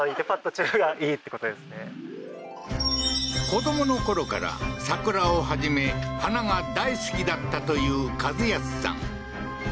子供のころから、桜を初め、花が大好きだったという一康さん。